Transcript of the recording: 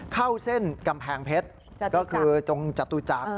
เข้าเส้นกำแพงเพชรก็คือตรงจตุจักร